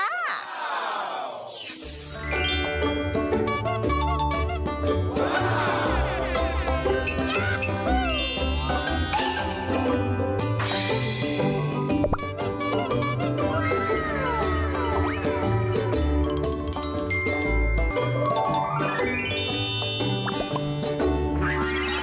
น่ากินมาก